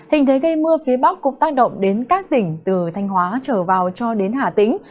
hình thế gây mưa phía bắc cũng tác động đến các tỉnh từ thanh hóa trở vào cho đến hà tĩnh